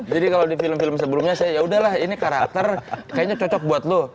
jadi kalau di film film sebelumnya saya yaudahlah ini karakter kayaknya cocok buat lu